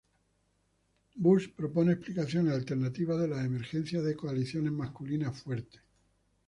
Buss propone explicaciones alternativas de la emergencia de coaliciones masculinas fuertes.